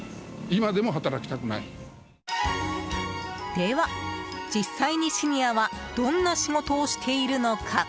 では、実際にシニアはどんな仕事をしているのか。